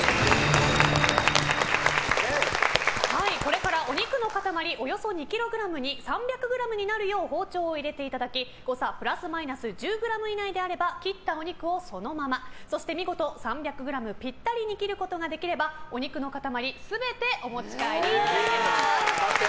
これからお肉の塊およそ２ｋｇに３００ｇになるよう包丁を入れていただき誤差プラスマイナス１０ｇ以内であれば切ったお肉をそのままそして見事３００ｇぴったりに切ることができればお肉の塊全てお持ち帰りいただけます。